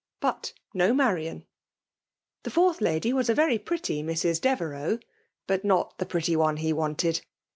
But no Madan ; tile fourtK lady was a very prettyMcs. Devt: teuxy but ' not the pretty one he wanted.